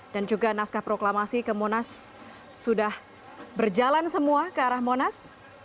dan juga naskah proklamasi ke monas sudah berjalan semua ke arah monas